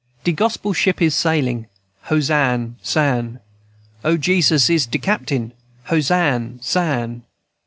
_ "De Gospel ship is sailin', Hosann sann. O, Jesus is de captain, Hosann sann.